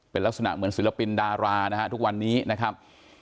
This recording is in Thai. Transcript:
เป็นลักษณะเหมือนศิลปินดารานะฮะทุกวันนี้นะครับ